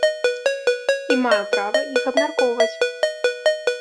І маю права іх абмяркоўваць.